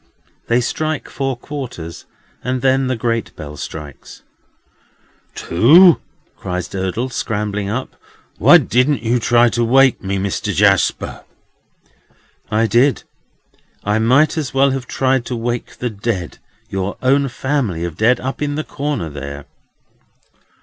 They strike four quarters, and then the great bell strikes. "Two!" cries Durdles, scrambling up; "why didn't you try to wake me, Mister Jarsper?" "I did. I might as well have tried to wake the dead—your own family of dead, up in the corner there."